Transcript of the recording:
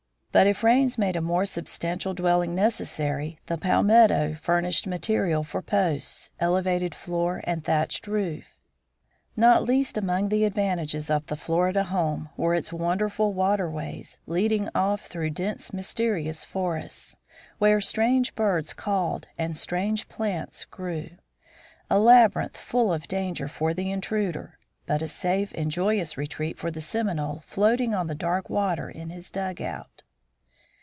But if rains made a more substantial dwelling necessary the palmetto furnished material for posts, elevated floor, and thatched roof. Not least among the advantages of the Florida home were its wonderful waterways leading off through dense mysterious forests, where strange birds called and strange plants grew a labyrinth full of danger for the intruder, but a safe and joyous retreat for the Seminole floating on the dark water in his dugout.